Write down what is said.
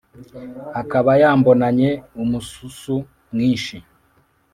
akaba yambonanye umususu mwinshi